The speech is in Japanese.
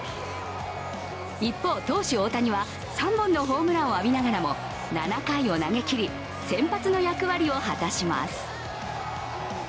一方、投手・大谷は３本のホームランを浴びながらも７回を投げきり先発の役割を果たします。